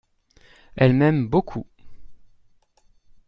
Elle m'aime beaucoup.